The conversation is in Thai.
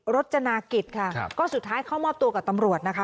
รจนากิจค่ะก็สุดท้ายเข้ามอบตัวกับตำรวจนะคะ